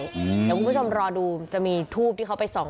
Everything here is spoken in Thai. เดี๋ยวคุณผู้ชมรอดูจะมีทูปที่เขาไปส่อง